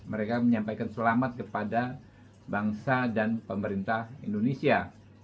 mereka menyampaikan selamat kepada bangsa dan pemerintah indonesia